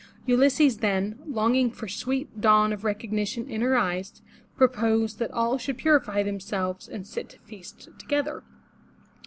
Ulysses then, longing for sweet dawn of recognition in her eyes, proposed that all should purify them selves and sit to feast together.